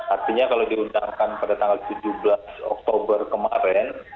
artinya kalau diundangkan pada tanggal tujuh belas oktober kemarin